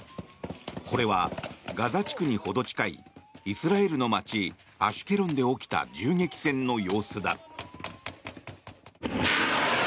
これはガザ地区にほど近いイスラエルの街アシュケロンで起きた銃撃戦の様子だ。